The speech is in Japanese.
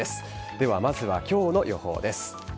ではまずは、今日の予報です。